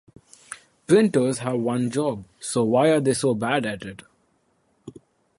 Printers have one job, so why are they so bad at it?